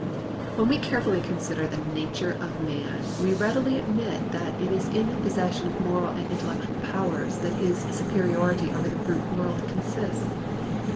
When we carefully consider the nature of man we readily admit that it is in the possession of moral and intellectual powers that his superiority over the brute world consists.